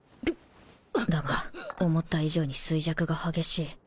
だが思った以上に衰弱が激しい